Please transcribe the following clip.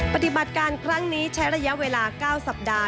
ปฏิบัติการครั้งนี้ใช้ระยะเวลา๙สัปดาห์